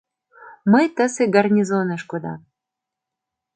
Мый тысе гарнизонеш кодам.